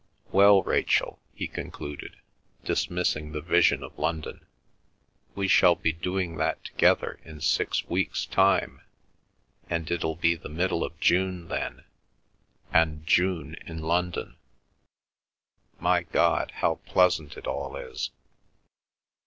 Well, Rachel," he concluded, dismissing the vision of London, "we shall be doing that together in six weeks' time, and it'll be the middle of June then—and June in London—my God! how pleasant it all is!"